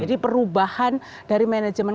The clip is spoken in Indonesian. jadi perubahan dari manajemen